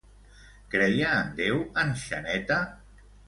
Creia en Déu en Xaneta?